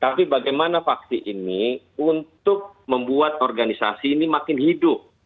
tapi bagaimana faksi ini untuk membuat organisasi ini makin hidup